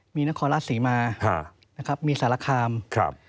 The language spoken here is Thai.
มีนครราชศรีมานะครับมีสารคามครับ